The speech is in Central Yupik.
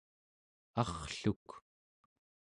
arrluk